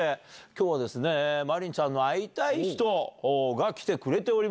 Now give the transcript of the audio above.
今日は真凜ちゃんの会いたい人が来てくれております。